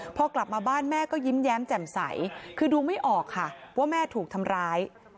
พอกลับมาบ้านแม่ก็ยิ้มแย้มแจ่มใสคือดูไม่ออกค่ะว่าแม่ถูกทำร้าย